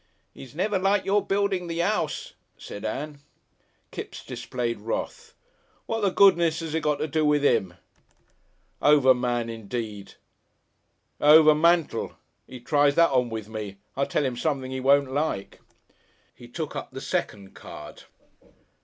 "'E's never liked your building the 'ouse," said Ann. Kipps displayed wrath. "What the goodness 'as it got to do wiv' 'im?" "Overman indeed!" he added. "Overmantel!... 'E trys that on with me, I'll tell 'im something 'e won't like." He took up the second card.